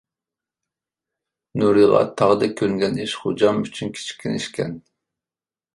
نۇرىغا تاغدەك كۆرۈنگەن ئىش غوجام ئۈچۈن كىچىككىنە ئىشكەن.